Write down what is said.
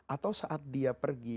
atau saat dia pergi